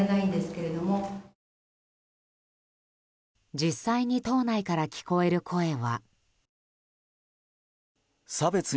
実際に党内から聞こえる声は。